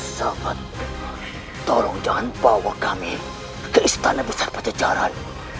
sahabatmu tolong jangan bawa kami ke istana besar pacejaran